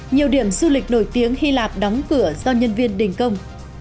nhiều điểm du lịch nổi tiếng hy lạp đóng cửa do nhân viên đình công